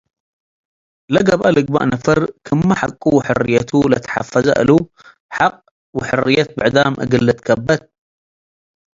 ለገብአ ልግበእ ነፈር ክመ ሐቁ ወሕርየቱ ለትሐፈዘ እሉ፡ ሐቅ ወሕርየት ብዕዳም እግል ልትከበት